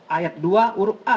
ayat dua urut a